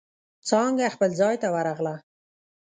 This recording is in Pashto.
څانگه خپل ځای ته ورغله.